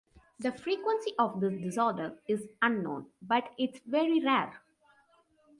The frequency of this disorder is unknown, but it is very rare.